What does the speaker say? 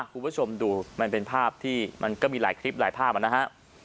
คุณผู้ชมดูมันเป็นภาพที่มันก็มีหลายคลิปหลายภาพนะฮะ